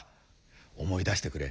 思い出してくれ。